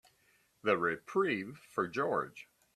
The reprieve for George.